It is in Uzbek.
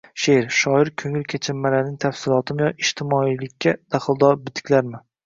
– She’r – shoir ko‘ngil kechinmalarining tafsilotimi yoki ijtimoiylikka daxldor bitiklarmi?